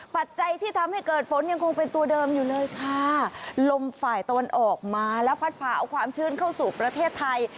ปัจจัยที่ทำให้เกิดฝนยังคงเป็นตัวเดิมอยู่เลยค่ะลมฝ่ายตะวันออกมาแล้วพัดผ่าเอาความชื่นเข้าสู่ประเทศไทย